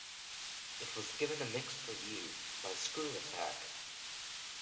It was given a mixed review by ScrewAttack.